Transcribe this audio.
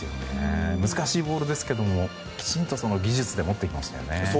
難しいボールですけどきちんと技術で持っていきましたね。